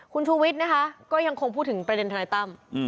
คุณชูวิทย์นะคะก็ยังคงพูดถึงประเด็นทนายตั้ม